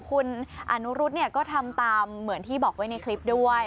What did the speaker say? คุณอนุรุษก็ทำตามเหมือนที่บอกไว้ในคลิปด้วย